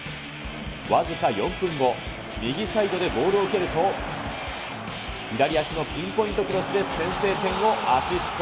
僅か４分後、右サイドでボールを受けると、左足のピンポイントクロスで先制点をアシスト。